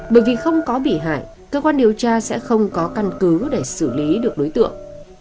bởi vì không có bị hại cơ quan điều tra sẽ không có căn cứ để xử lý được đối tượng